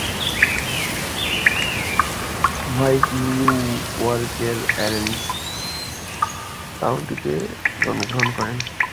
White new ইয়র্কের Orange কাউন্টিতে জন্মগ্রহণ করেন।